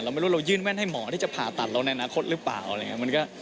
เราไม่รู้เรายื่นแว่นให้หมอที่จะผ่าตัดเราในอนาคตหรือเปล่า